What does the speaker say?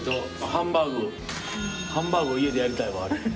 ハンバーグ家でやりたいわあれ。